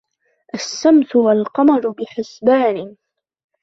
الشَّمْسُ وَالْقَمَرُ بِحُسْبَانٍ